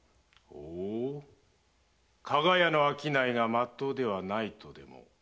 ほう加賀屋の商いがまっとうではないとでも？